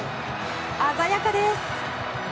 鮮やかです。